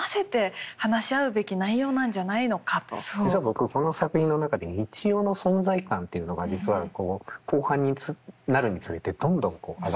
実は僕この作品の中で三千代の存在感っていうのが実は後半になるにつれてどんどんこう上がってくる。